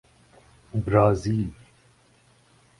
Brazil